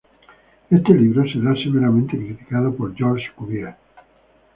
Este libro será severamente criticado por Georges Cuvier.